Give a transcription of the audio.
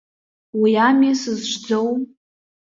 Уи ами сызҿӡоу.